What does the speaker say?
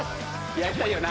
やりたいよな。